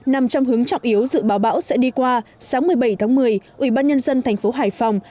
nằm trong hướng trọng yếu dự báo bão sẽ đi qua sáng một mươi bảy tháng một mươi ủy ban nhân dân thành phố hải phòng